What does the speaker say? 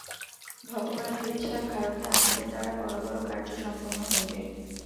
ভগবানের ইচ্ছায় ভারতে আমাদের দ্বারা বড় বড় কার্য সম্পন্ন হইবে।